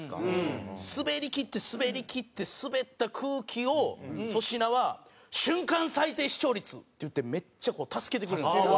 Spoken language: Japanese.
スベりきってスベりきってスベった空気を粗品は「瞬間最低視聴率」って言ってめっちゃ助けてくれるんですよ。